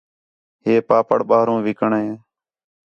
ہے پاپڑ ٻاہروں وکݨے